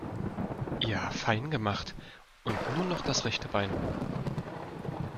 Ja fein gemacht, und nun noch das rechte Bein.